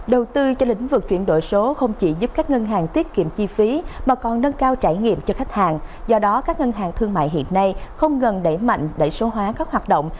đầu tư cho lĩnh vực chuyển đổi số không chỉ giúp các ngân hàng tiết kiệm chi phí mà còn nâng cao trải nghiệm cho khách hàng do đó các ngân hàng thương mại hiện nay không ngừng đẩy mạnh đẩy số hóa các hoạt động